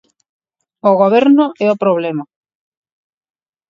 O Goberno é o problema.